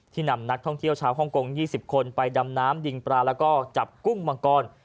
นำนักท่องเที่ยวชาวฮ่องกง๒๐คนไปดำน้ำดิงปลาแล้วก็จับกุ้งมังกร